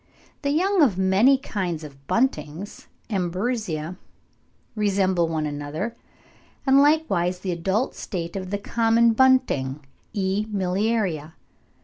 The young of many kinds of buntings (Emberiza) resemble one another, and likewise the adult state of the common bunting, E. miliaria.